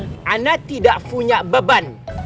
saya tidak punya beban